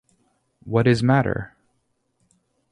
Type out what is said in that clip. What is matter?